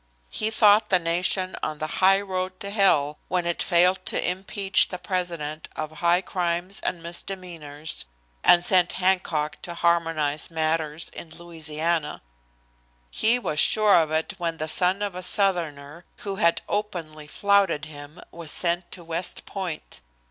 He thought the nation on the highroad to hell when it failed to impeach the President of high crimes and misdemeanors, and sent Hancock to harmonize matters in Louisiana. He was sure of it when the son of a Southerner, who had openly flouted him, was sent to West Point.